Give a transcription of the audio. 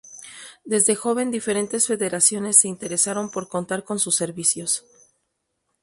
Desde joven diferentes federaciones se interesaron por contar con sus servicios.